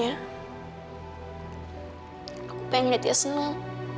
aku pengen lihat ya senang